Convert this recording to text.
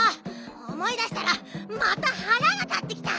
おもい出したらまたはらが立ってきた！